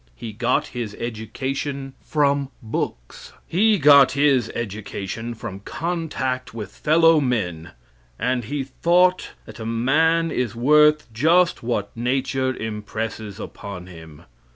He got his education from books. He got his education from contact with fellow men, and he thought, and a man is worth just what nature impresses upon him.